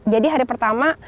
jadi hari pertama